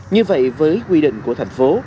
như vậy với quy định của thành phố